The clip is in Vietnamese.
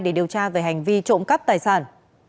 để điều tra về hành vi trộm cắp tài sản